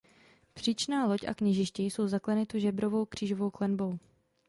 Příčná loď a kněžiště jsou zaklenuty žebrovou křížovou klenbou.